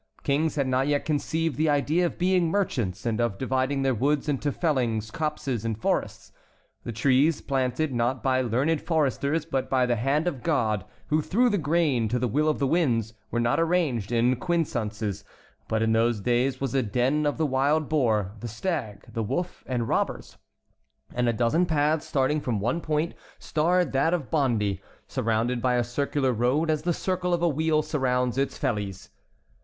Kings had not yet conceived the idea of being merchants, and of dividing their woods into fellings, copses, and forests. The trees, planted, not by learned foresters, but by the hand of God, who threw the grain to the will of the winds, were not arranged in quincunxes, but grew as they pleased, as they do to day in any virginal forest of America. In short, a forest in those days was a den of the wild boar, the stag, the wolf, and robbers; and a dozen paths starting from one point starred that of Bondy, surrounded by a circular road as the circle of a wheel surrounds its fellies.